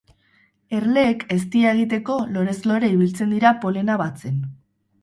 Erleek eztia egiteko lorez lore ibiltzen dira polena batzen.